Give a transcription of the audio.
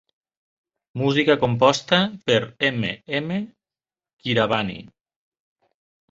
Música composta per M. M. Keeravani.